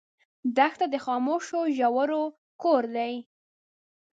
دښته د خاموشو ژورو کور دی.